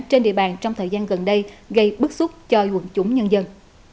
trên địa bàn trong thời gian gần đây gây bức xúc cho quận chủng nhân dân